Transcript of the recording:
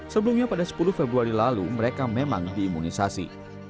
sebelumnya pada sepuluh februari lalu mereka memang diimunisasi